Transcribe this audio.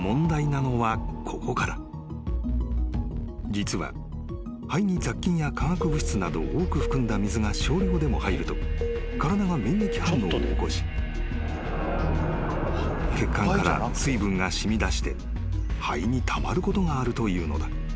［実は肺に雑菌や化学物質などを多く含んだ水が少量でも入ると体が免疫反応を起こし血管から水分が染みだして肺にたまることがあるというのだ］